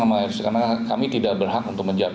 sama rsud karena kami tidak berhak untuk menjabat